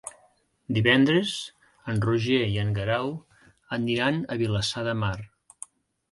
Divendres en Roger i en Guerau aniran a Vilassar de Mar.